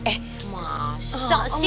eh masa sih